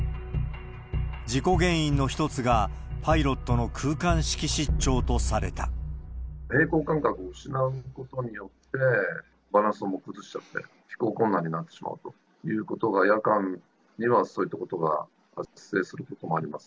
事故原因の一つが、平衡感覚を失うことによって、バランスを崩しちゃって、飛行困難になってしまうということが、夜間には、そういったことが発生することもあります。